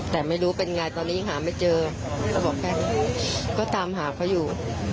แต่ไม่รู้เป็นไงตอนนี้หาไม่เจอก็ามหาเค้าอยู่